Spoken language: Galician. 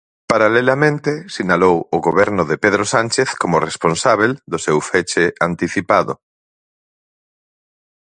Paralelamente sinalou o goberno de Pedro Sánchez como responsábel do seu feche "anticipado".